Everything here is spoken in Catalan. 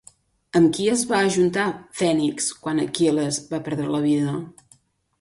Amb qui es va ajuntar, Fènix, quan Aquil·les va perdre la vida?